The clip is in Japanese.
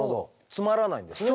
詰まらないんですね